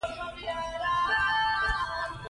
اغېز یې د پام وړ و.